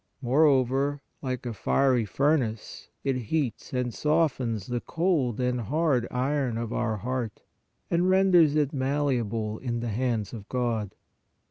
Moreover, like a fiery furnace, it heats and softens the cold and hard iron of our heart, and renders it malleable in the hands of God.